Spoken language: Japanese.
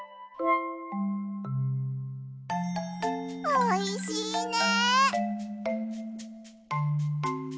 おいしいね！